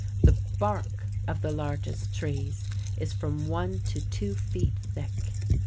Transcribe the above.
The bark of the largest trees is from one to two feet thick.